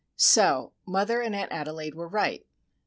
So,—mother and Aunt Adelaide were right.